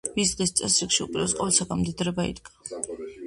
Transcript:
მის დღის წესრიგში უპირველეს ყოვლისა გამდიდრება იდგა.